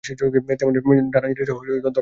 তেমনি ডানা জিনিসটাও ধরবার পক্ষে ভালো নয়।